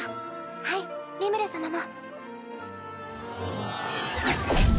はいリムル様も。